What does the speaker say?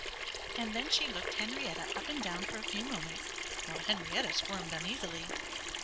And then she looked Henrietta up and down for a few moments, while Henrietta squirmed uneasily.